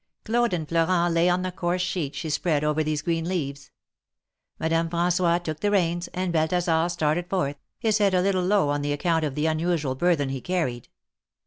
Claude and Florent lay on the coarse sheet she spread over these green leaves. Madame Fran9ois took the reins, and Balthasar started forth, his head a little low on account of the unusual burthen he carried.